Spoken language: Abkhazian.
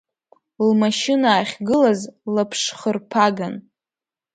Лмашьына ахьгылаз лаԥшхырԥаган.